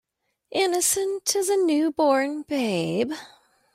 Innocent as a new born babe.